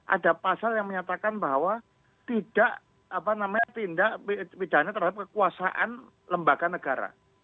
ada pasal yang menyatakan bahwa tidak apa namanya tindak pidannya terhadap kekuasaan lembaga negara